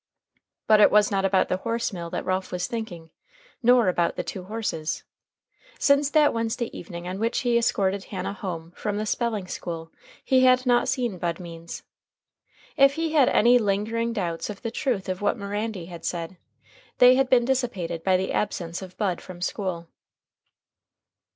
But it was not about the horse mill that Ralph was thinking nor about the two horses. Since that Wednesday evening on which he escorted Hannah home from the spelling school he had not seen Bud Means. If he had any lingering doubts of the truth of what Mirandy had said, they had been dissipated by the absence of Bud from school.